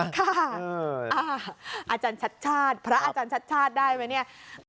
อาจารย์ชัดชาติพระอาจารย์ชัดชาติได้ไหมเนี่ย